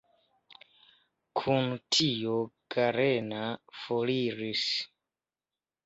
Kun tio Galeran foriris.